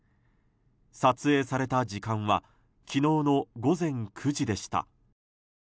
撮影された時間は昨日の午前９時でした。